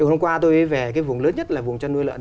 hôm qua tôi về vùng lớn nhất là vùng chân nuôi lợn